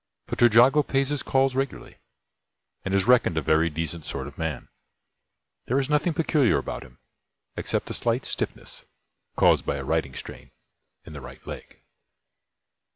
But Trejago pays his calls regularly, and is reckoned a very decent sort of man. There is nothing peculiar about him, except a slight stiffness, caused by a riding strain, in the right leg.